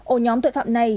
ổ nhóm tội phạm này